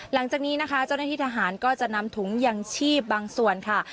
หลังจากนี้นะคะเจ้าหน้าที่ทหารก็จะนำถุงยังชีพบางส่วนค่ะ